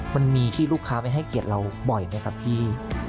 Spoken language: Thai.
มันมีที่ลูกค้าไปให้เกียรติเราบ่อยไหมครับพี่